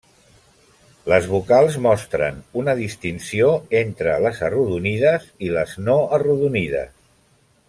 Les vocals mostren una distinció entre les arrodonides i les no arrodonides.